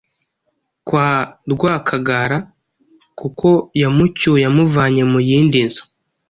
kwa Rwakagara kuko yamucyuye amuvanye mu yindi nzu